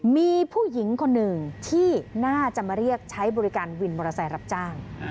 มีผู้หญิงคนหนึ่งที่น่าจะมาเรียกใช้บริการวินมอเตอร์ไซค์รับจ้าง